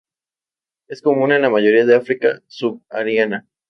Es común en la mayoría de África subsahariana.